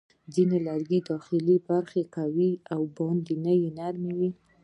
د ځینو لرګیو داخلي برخه قوي او باندنۍ نرمه وي.